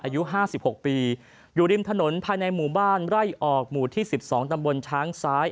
อายุ๕๖ปีอยู่ริมถนนภายในหมู่บ้านไร่ออกหมู่ที่๑๒ตำบลช้างซ้าย